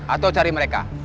atau cari mereka